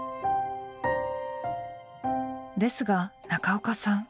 ですが中岡さん